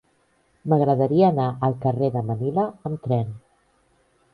M'agradaria anar al carrer de Manila amb tren.